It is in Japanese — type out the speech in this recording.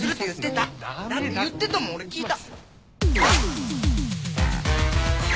だって言ってたもん俺聞いた。